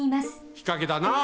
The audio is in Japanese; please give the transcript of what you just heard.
日陰だなあ！